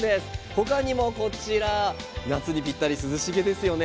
他にも夏にぴったり涼しげですよね